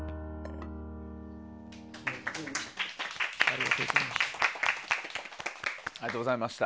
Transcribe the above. ありがとうございます。